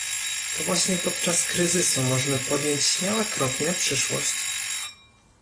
To właśnie podczas kryzysu możemy podjąć śmiałe kroki na przyszłość